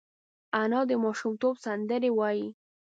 انا د ماشومتوب سندرې وايي